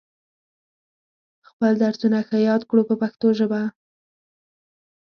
خپل درسونه ښه یاد کړو په پښتو ژبه.